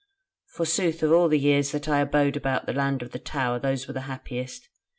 Forsooth of all the years that I abode about the Land of Tower those were the happiest.